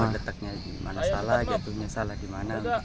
detaknya di mana salah jatuhnya salah di mana